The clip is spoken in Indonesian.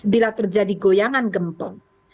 bila terjadi goyangan gempa